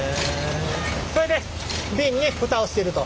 それで瓶に蓋をしていると。